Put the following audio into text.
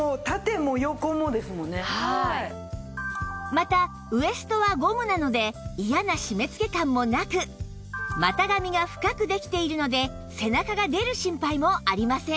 またウエストはゴムなので嫌な締め付け感もなく股上が深くできているので背中が出る心配もありません